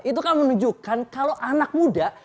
itu kan menunjukkan kalau anak muda